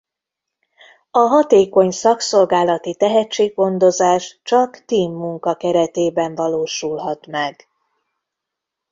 A hatékony szakszolgálati tehetséggondozás csak team-munka keretében valósulhat meg.